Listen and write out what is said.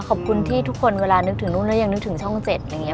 ขอบคุณที่ทุกคนเวลานึกถึงนู่นแล้วยังนึกถึงช่อง๗อย่างนี้